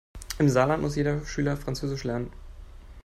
Im Saarland muss jeder Schüler französisch lernen.